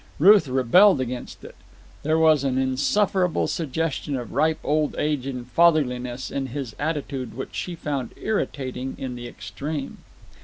Ruth rebelled against it. There was an insufferable suggestion of ripe old age and fatherliness in his attitude which she found irritating in the extreme.